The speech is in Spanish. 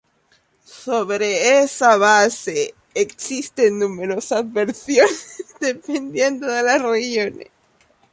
Sobre esa base existen numerosas versiones dependiendo de las regiones.